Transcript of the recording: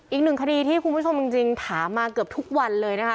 อีกหนึ่งคดีที่คุณผู้ชมจริงถามมาเกือบทุกวันเลยนะคะ